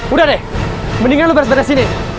udah deh mendingan lu beres beres disini